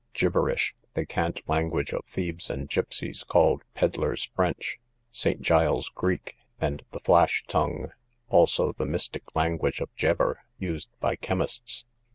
Gibberish, the cant language of thieves and gipseys, called pedlars's French, St. Giles's Greek, and the Flash tongue: also the mystic language of Geber, used by chemists.